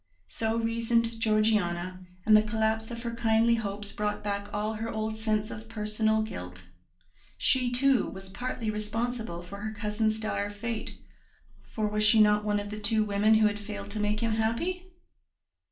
So reasoned Georgiana, and the collapse of her kindly hopes brought back all her old sense of personal guilt; she, too, was partly responsible for her cousin's dire fate, for was she not one of the two women who had failed to make him happy?